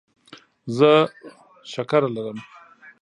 زه شکره لرم.